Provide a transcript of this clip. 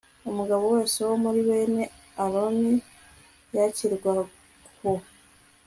umugabo wese wo muri bene aroni yakiryaho